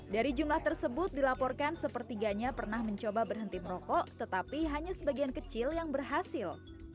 dari jumlah tersebut dilaporkan sepertiganya pernah mencoba berhenti merokok tetapi hanya sebagian kecil yang berhasil